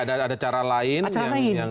jadi ada cara lain yang